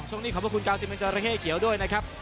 ช่วงนี้ขอบคุณ๙๑จราเข้เขียวด้วยนะครับ